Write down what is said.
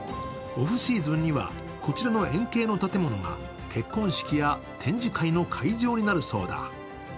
オフシーズンにはこちらの円形の建物が結婚式や展示会の会場になるそうだ。